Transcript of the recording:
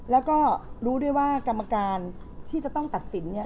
แล้วก็รู้ด้วยว่ากรรมการที่จะต้องตัดสินเนี่ย